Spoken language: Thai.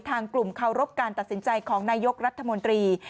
ทางกลุ่มเคารพการตัดสินใจของนายกรัฐมนตรี